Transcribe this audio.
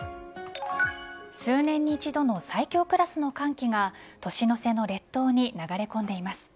数年に一度の最強クラスの寒気が年の瀬の列島に流れ込んでいます。